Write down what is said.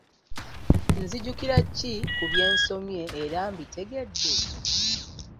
Nzijukira ki ku bye nsomye era mbitegedde?